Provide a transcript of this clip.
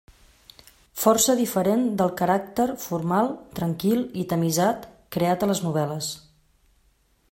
Força diferent del caràcter formal, tranquil i tamisat creat a les novel·les.